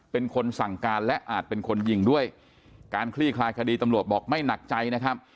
เป็นคนสั่งการและอาจเป็นคนยิงด้วยการคลี่คลายคดีตำรวจบอกไม่หนักใจนะครับ